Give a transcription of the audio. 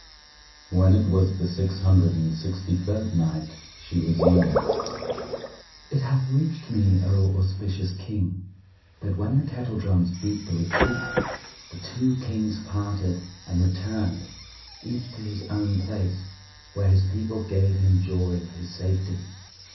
When it was the Six Hundred and Sixty third Night, She resumed, It hath reached me, O auspicious King, that when the kettle drums beat the retreat, the two Kings parted and returned, each to his own place where his people gave him joy of his safety.